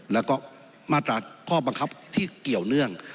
แล้วก็มาตราข้อบังคับที่เกี่ยวเนื่อง